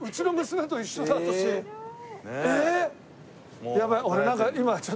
えっ？